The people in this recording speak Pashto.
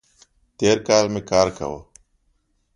تېر کال می کار کاوو